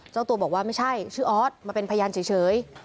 เจ้าตัวบอกว่าไม่ใช่ชื่อออสมาเป็นพยานเฉย